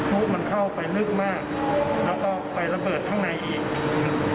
พลุมันเข้าไปลึกมากแล้วก็ไประเบิดข้างในอีกอืม